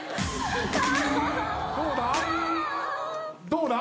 どうだ？